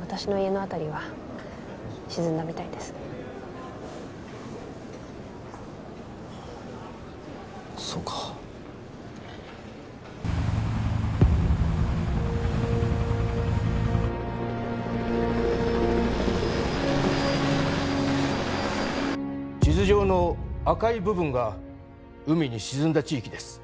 私の家のあたりは沈んだみたいですそうか地図上の赤い部分が海に沈んだ地域です